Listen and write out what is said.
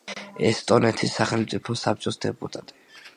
ესტონეთის სახელმწიფო საბჭოს დეპუტატი.